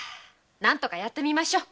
何とかやってみましょう。